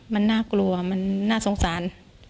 มันน่ากลัวมันน่าสงสาร